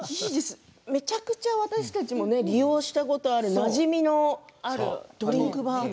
めちゃくちゃ私たちも利用したことがあるなじみのドリンクバーの。